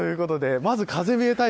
まず風冷え対策